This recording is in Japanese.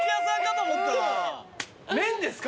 麺ですか？